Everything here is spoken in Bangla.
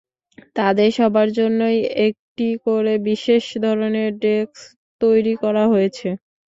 তাঁদের সবার জন্যই একটি করে বিশেষ ধরনের ডেস্ক তৈরি করা হয়েছে।